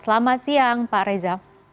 selamat siang pak reza